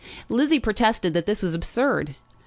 Lizzie protested that this was absurd.